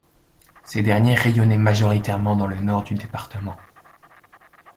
Ces derniers rayonnaient majoritairement dans le nord du département.